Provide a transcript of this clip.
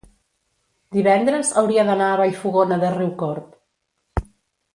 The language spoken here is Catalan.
divendres hauria d'anar a Vallfogona de Riucorb.